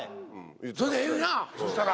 それでええねんなそしたら。